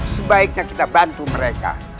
sebaiknya kita bantu mereka